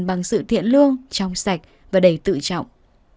họ làm bằng sự thiện lương trong sạch và đầy tự trọng